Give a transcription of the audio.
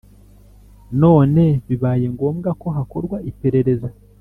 Noneo bibaye ngombwa ko hakorwa iperereza